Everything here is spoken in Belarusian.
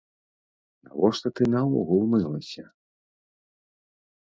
Навошта ты наогул мылася?